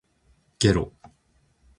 げろ